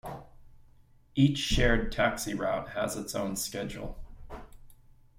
Each shared taxi route has its own schedule.